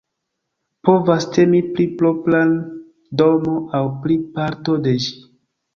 Povas temi pri propra domo aŭ pri parto de ĝi.